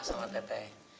sama teh teh